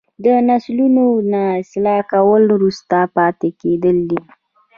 د نسلونو نه اصلاح کول وروسته پاتې کیدل دي.